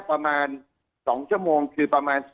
ประมาณ๒ชั่วโมงคือประมาณ